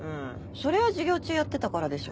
それは授業中やってたからでしょ。